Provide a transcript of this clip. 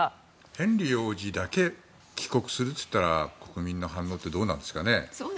ヘンリー王子だけ帰国するって言ったら国民の反応ってどうなんですかね。